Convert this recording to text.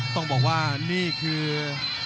ต้องบอกว่านี่คือ